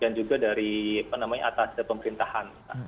dan juga dari atas pemerintahan